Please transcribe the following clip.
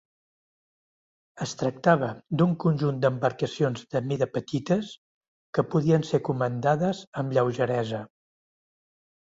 Es tractava d'un conjunt d'embarcacions de mida petites que podien ser comandades amb lleugeresa.